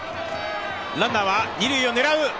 ランナーは二塁を狙う。